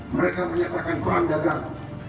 mereka menyatakan perang dagang